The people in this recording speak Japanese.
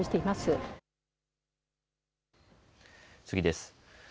次です。